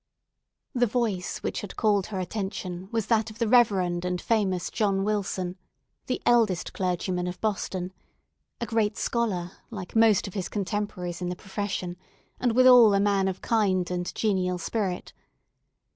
The voice which had called her attention was that of the reverend and famous John Wilson, the eldest clergyman of Boston, a great scholar, like most of his contemporaries in the profession, and withal a man of kind and genial spirit.